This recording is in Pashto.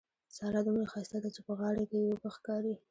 سارا دومره ښايسته ده چې په غاړه کې يې اوبه ښکاري.